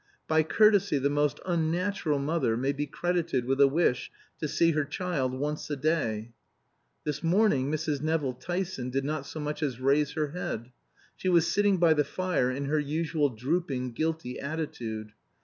By courtesy the most unnatural mother may be credited with a wish to see her child once a day. This morning Mrs. Nevill Tyson did not so much as raise her head. She was sitting by the fire in her usual drooping guilty attitude.